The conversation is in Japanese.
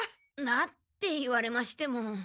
「なっ！」って言われましても。